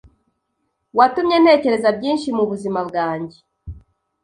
Watumye ntekereza byinshi mubuzima bwange